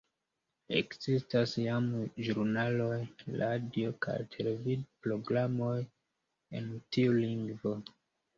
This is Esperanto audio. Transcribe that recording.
Ekzistas jam ĵurnaloj, radio‑ kaj televid‑programoj en tiu lingvo.